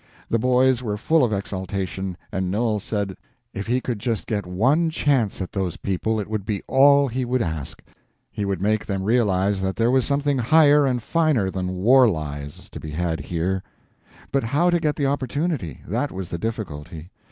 The boys were full of exultation, and Noel said if he could just get one chance at those people it would be all he would ask; he would make them realize that there was something higher and finer than war lies to be had here. But how to get the opportunity—that was the difficulty.